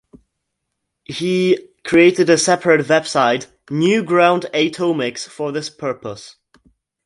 He created a separate website, "New Ground Atomix", for this purpose.